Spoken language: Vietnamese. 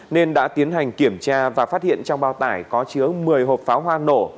nên đã tiến hành kiểm tra và phát hiện trong bao tải có chứa một mươi hộp pháo hoa nổ